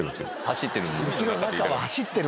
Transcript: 走ってる。